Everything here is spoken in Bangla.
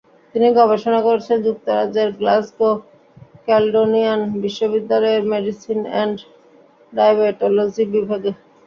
তিনি গবেষণা করছেন যুক্তরাজ্যের গ্লাসগো ক্যালেডোনিয়ান বিশ্ববিদ্যালয়ের মেডিসিন অ্যান্ড ডায়বেটোলজি বিভাগে।